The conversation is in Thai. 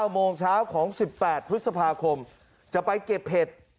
โมงเช้าของ๑๘พฤษภาคมจะไปเก็บเห็ด